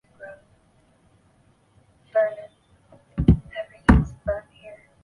他在成化元年嗣封楚王。